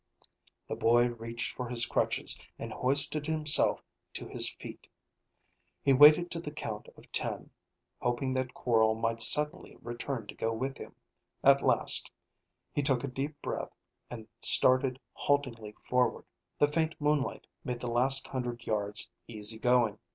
The boy reached for his crutches and hoisted himself to his feet. He waited till the count of ten, hoping that Quorl might suddenly return to go with him. A last he took a deep breath and started haltingly forward. The faint moonlight made the last hundred yards easy going.